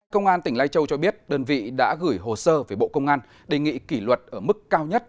công an tỉnh lai châu cho biết đơn vị đã gửi hồ sơ về bộ công an đề nghị kỷ luật ở mức cao nhất